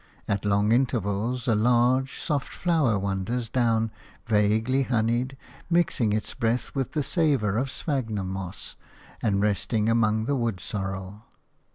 At long intervals a large, soft flower wanders down, vaguely honeyed, mixing its breath with the savour of sphagnum moss, and resting among the wood sorrel.